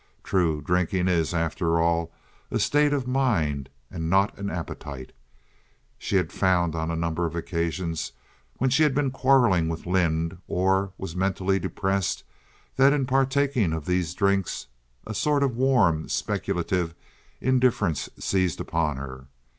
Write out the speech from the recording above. True, drinking is, after all, a state of mind, and not an appetite. She had found on a number of occasions when she had been quarreling with Lynde or was mentally depressed that in partaking of these drinks a sort of warm, speculative indifference seized upon her.